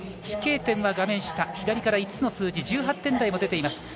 飛型点は画面下左から５つの数字１８点台も出ています。